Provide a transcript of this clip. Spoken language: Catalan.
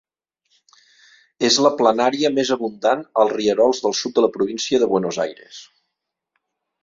És la planària més abundant als rierols del sud de la província de Buenos Aires.